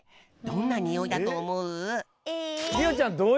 どんなにおいがするとおもう？